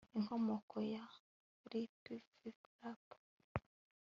inkomoko ya rpfrpa